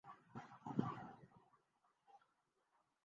سیاسی و مذہبی جماعتیں مل کر یہ فرض ادا کریں گی۔